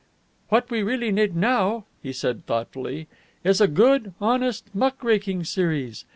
"What we really need now," he said thoughtfully, "is a good, honest, muck raking series.